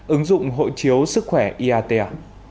ứng dụng hội chiếu sức khỏe iata